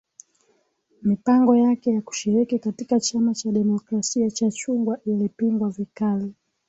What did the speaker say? Mipango yake ya kushiriki katika chama cha demokrasia cha chungwa ilipingwa vikali